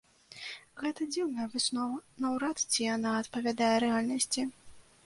Гэта дзіўная выснова, наўрад ці яна адпавядае рэальнасці.